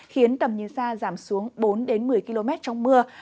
khiến tầm nhìn xa giảm xuống bốn một mươi km trong mưa